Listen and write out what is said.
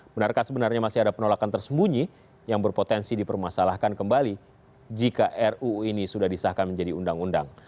benarkah sebenarnya masih ada penolakan tersembunyi yang berpotensi dipermasalahkan kembali jika ruu ini sudah disahkan menjadi undang undang